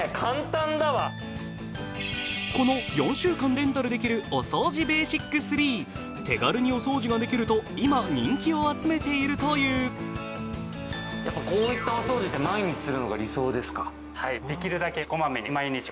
この４週間レンタルできるおそうじベーシック３手軽にお掃除ができると今人気を集めているというやっぱこういったはいできるだけこまめに毎日お掃除していただくのが理想です